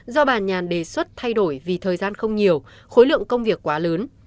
do bà nhàn đề xuất thay đổi vì thời gian không nhiều khối lượng công việc quá lớn